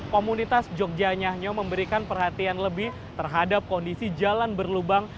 komunitas jogja nyahnyo memberikan perhatian lebih terhadap kondisi jalan berlubang